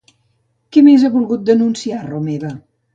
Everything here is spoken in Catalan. Què més ha volgut denunciar Romeva?